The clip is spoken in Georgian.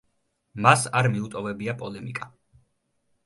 მას არ მიუტოვებია პოლემიკა.